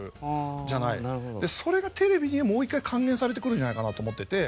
それがテレビにもう１回還元されてくるんじゃないかなと思ってて。